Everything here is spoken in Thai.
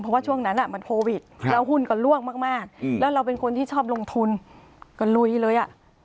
เพราะว่าช่วงนั้นมันโควิดแล้วหุ้นก็ล่วงมากแล้วเราเป็นคนที่ชอบลงทุนก็ลุยเลยอ่ะ